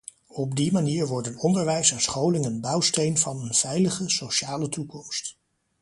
Op die manier worden onderwijs en scholing een bouwsteen van een veilige, sociale toekomst.